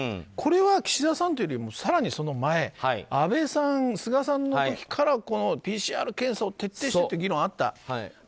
これは岸田さんというより更にその前安倍さん、菅さんの時からこのＰＣＲ検査を徹底しろという議論があった。